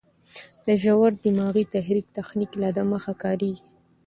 د ژور دماغي تحريک تخنیک لا دمخه کارېږي.